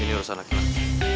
ini harus anak anak